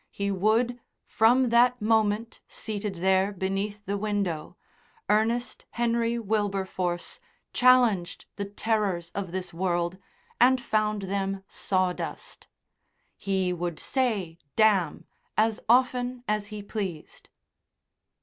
He would from that moment, seated there beneath the window, Ernest Henry Wilberforce challenged the terrors of this world, and found them sawdust he would say "damn" as often as he pleased.